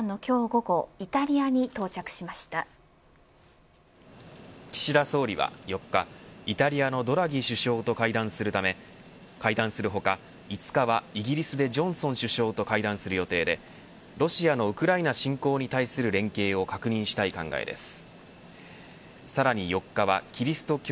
午後岸田総理は４日イタリアのドラギ首相と会談するため会談する他５日はイギリスでジョンソン首相と会談する予定でロシアのウクライナ侵攻に対する連携を確認したい考えです。